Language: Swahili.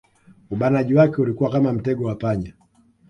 Ubanaji wake ulikuwa kama mtego wa panya